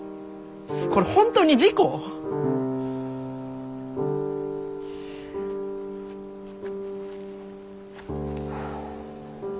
これ本当に事故！？はあ。